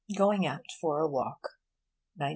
GOING OUT FOR A WALK 1918.